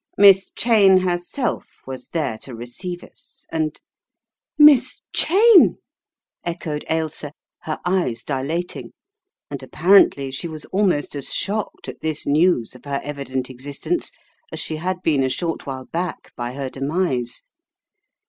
" Miss Cheyne herself was there to receive us and — ma " Miss Cheyne I" echoed Ailsa, her eyes dilating, and apparently she was almost as shocked at this news of her evident existence as she had been a short while back by her demise.